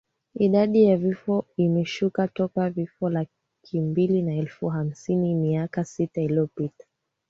idadi ya vifo imeshuka toka vifo laki mbili na elfu hamsini miaka sita iliyopita